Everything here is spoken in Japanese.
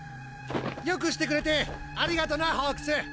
良くしてくれてありがとなホークス。